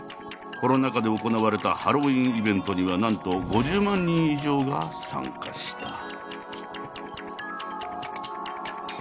コロナ禍で行われたハロウィーンイベントにはなんと５０万人以上が参加した。